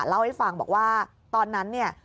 เล่าให้ฟังบอกว่าตอนนั้นเนี่ย